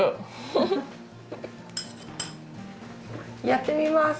やってみます